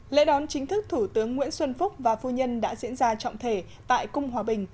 lễ đón chính thức thủ tướng nguyễn xuân phúc và phu nhân đã diễn ra trọng thể tại cung hòa bình